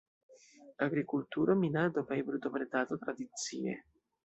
Agrikulturo, minado kaj brutobredado tradicie.